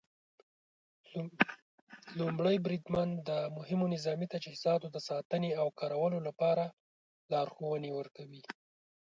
لومړی بریدمن د مهمو نظامي تجهیزاتو د ساتنې او کارولو لپاره لارښوونې ورکوي.